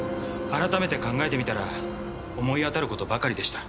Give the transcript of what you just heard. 改めて考えてみたら思い当たる事ばかりでした。